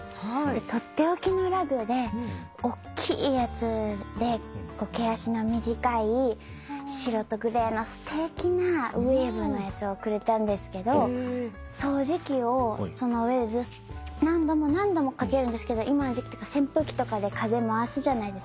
取って置きのラグでおっきいやつで毛足の短い白とグレーのすてきなウエーブのやつをくれたんですけど掃除機をその上で何度も何度もかけるんですけど今の時期とか扇風機とかで風まわすじゃないですか。